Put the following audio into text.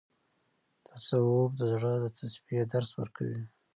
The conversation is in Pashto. تصوف د زړه د تصفیې درس ورکوي.